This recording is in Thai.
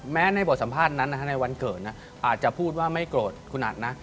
ในบทสัมภาษณ์นั้นในวันเกิดอาจจะพูดว่าไม่โกรธคุณอัดนะ